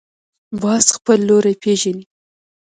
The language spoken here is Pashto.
باز خپل لوری پېژني